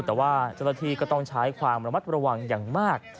แต่ว่าเจ้าหน้าที่ก็ต้องใช้ความระมัดระวังอย่างมาก